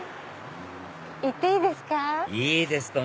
行っていいですか？